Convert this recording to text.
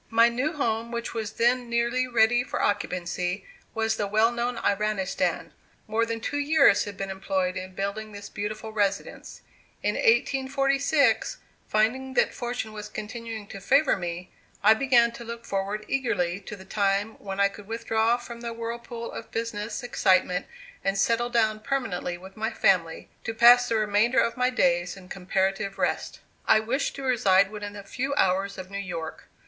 My new home, which was then nearly ready for occupancy, was the well known Iranistan. More than two years had been employed in building this beautiful residence. In 1846, finding that fortune was continuing to favor me, I began to look forward eagerly to the time when I could withdraw from the whirlpool of business excitement and settle down permanently with my family, to pass the remainder of my days in comparative rest. I wished to reside within a few hours of New York.